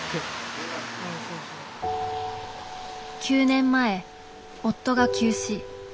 ９年前夫が急死。